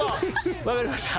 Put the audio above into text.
わかりました。